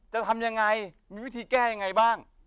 จะทำยังไงมีวิธีแก้ยังไงบ้าง